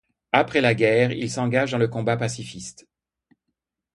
Après la Guerre, il s'engage dans le combat pacifiste.